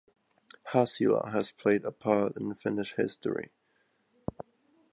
Husula has played a part in Finnish history.